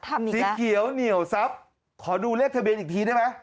แปลสิสีเขียวเหนี่ยวซับขอดูเลขทะเบียนอีกทีได้ไหม